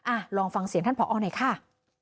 ลองฟังเสียงท่านผอหน่อยค่ะ